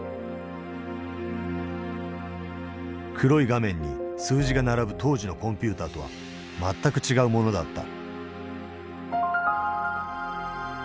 黒い画面に数字が並ぶ当時のコンピューターとは全く違うものだった。